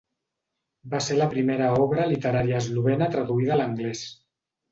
Va ser la primera obra literària eslovena traduïda a l'anglès.